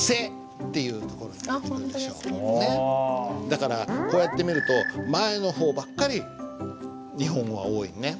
だからこうやって見ると前の方ばっかり日本語が多いよね。